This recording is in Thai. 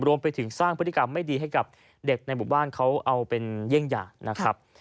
รวมไปถึงสร้างพฤติกรรมไม่ดีให้กับเด็กในหมู่บ้านเขาเอาเป็นเยี่ยงอย่างนะครับ